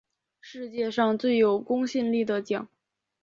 世界上最有公信力的奖